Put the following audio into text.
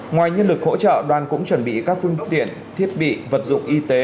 ngoài nhân lực hỗ trợ đoàn cũng chuẩn bị các phương tiện thiết bị vật dụng y tế